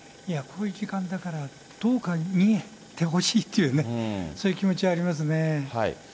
こういう時間だから、どうか逃げてほしいというそういう気持ちはありますね。